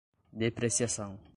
depreciação